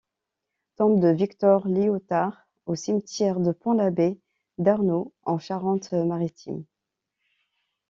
Tombe de Victor Liotard au cimetière de Pont l'Abbé d'Arnoult en Charente-Maritime.